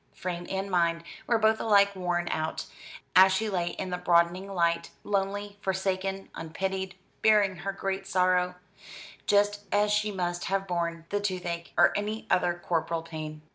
Frame and mind were both alike worn out, as she lay in the broadening light, lonely, forsaken, unpitied, bearing her great sorrow, just as she must have borne the toothache, or any other corporal pain.